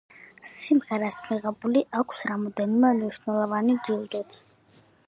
სიმღერას მიღებული აქვს რამდენიმე მნიშვნელოვანი ჯილდოც.